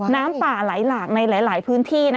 น้ำป่าไหลหลากในหลายพื้นที่